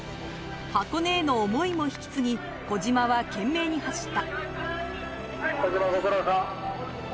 箱根への思いも引き継ぎ、小島は懸命に走った。